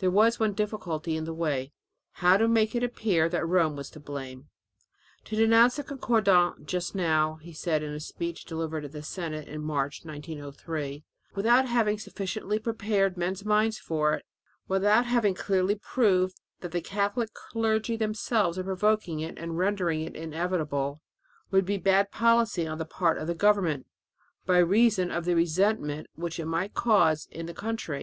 There was one difficulty in the way how to make it appear that Rome was to blame. "To denounce the concordat just now," he said in a speech delivered in the Senate in March, 1903, "without having sufficiently prepared men's minds for it, without having clearly proved that the Catholic clergy themselves are provoking it and rendering it inevitable, would be bad policy on the part of the government, by reason of the resentment which might be caused in the country.